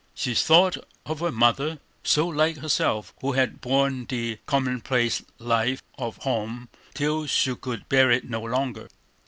She thought of her mother, so like herself, who had borne the commonplace life of home till she could bear it no longer.